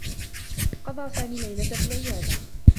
قضى سامي اللّيلة في العيادة.